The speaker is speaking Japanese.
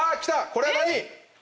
これは何？